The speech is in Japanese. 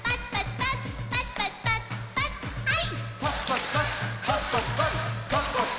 パチパチパチパチパチはい！